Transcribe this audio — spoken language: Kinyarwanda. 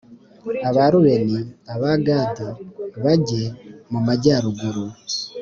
Abarubeni Abagadi bajye mumajyaruguru